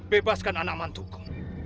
bebaskan anak mantuku